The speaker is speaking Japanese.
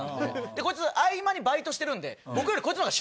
こいつ合間にバイトしてるんで。